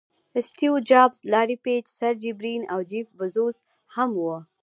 سټیو جابز، لاري پیج، سرجي برین او جیف بیزوز هم وو.